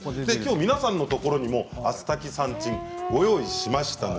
皆さんのところにもアスタキサンチンを用意しました。